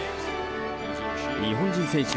日本人選手